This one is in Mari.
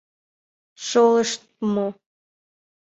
«Шолыштмо»...